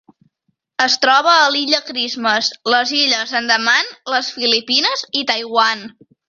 Es troba a l'Illa Christmas, les Illes Andaman, les Filipines i Taiwan.